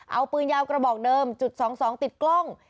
เอาปืนยาวกระบอกเดิมจุด๒๒ติดกล้อง